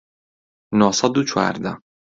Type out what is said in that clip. نۆ سەد و چواردە